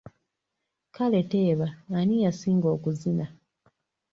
Kale teeba ani yasinga okuzina?